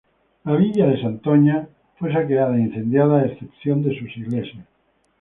La villa de Santoña, fue saqueada e incendiada a excepción de sus iglesias.